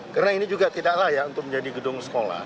karena ini juga tidak layak untuk menjadi gedung sekolah